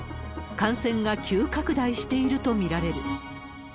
感染が急拡大していると見られる。